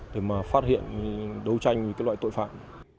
để phát hiện đấu tranh với các loại tội phạm